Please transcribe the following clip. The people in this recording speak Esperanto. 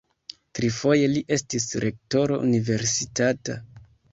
Trifoje li estis rektoro universitata.